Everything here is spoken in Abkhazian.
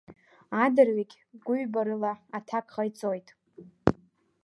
Адырҩегь гәҩбарыла аҭак ҟаиҵоит…